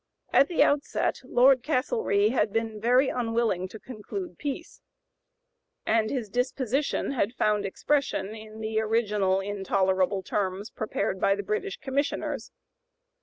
At the outset Lord Castlereagh had been very unwilling to conclude peace, and his disposition had found expression in the original intolerable terms prepared by the British Commissioners.